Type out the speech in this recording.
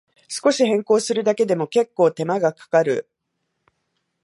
少し変更するだけでも、けっこう手間がかかる